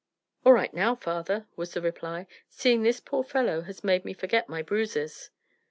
"All right now, father," was the reply. "Seeing this poor fellow has made me forget my bruises."